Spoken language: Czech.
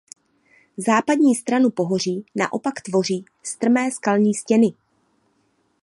Západní stranu pohoří naopak tvoří strmé skalní stěny.